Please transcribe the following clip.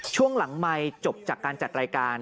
ช่วงหลังไมค์จบจากการจัดรายการ